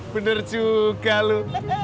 bener juga lu